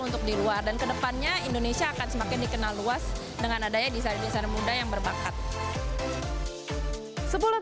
dan ke depannya indonesia akan semakin dikenal luas dengan adanya desainer desainer muda yang berbakat